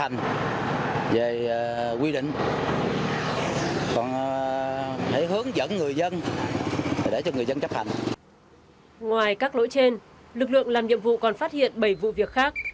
ngoài các lỗi trên lực lượng làm nhiệm vụ còn phát hiện bảy vụ việc khác